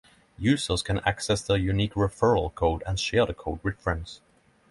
Users can access their unique referral code and share the code with friends.